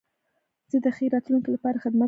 زه د ښې راتلونکي له پاره زحمت کاږم.